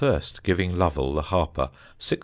giving Lovel the harper 6_s.